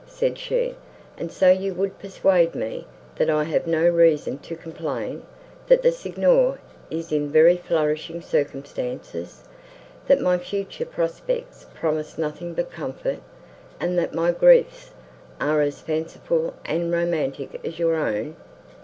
said she, "and so you would persuade me, that I have no reason to complain; that the Signor is in very flourishing circumstances, that my future prospects promise nothing but comfort, and that my griefs are as fanciful and romantic as your own!